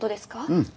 うん。